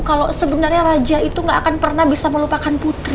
kalau sebenarnya raja itu gak akan pernah bisa melupakan putri